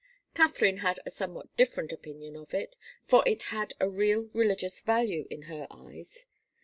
Katharine had a somewhat different opinion of it, for it had a real religious value in her eyes.